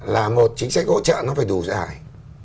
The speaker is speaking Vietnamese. là một trí sách hỗ trợ nó phải đủ dài